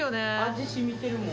味、しみてるもん。